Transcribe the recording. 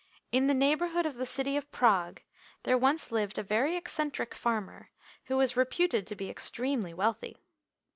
THE neighbourhood of the City of Prague there once lived a very eccentric farmer, who was reputed to be extremely wealthy.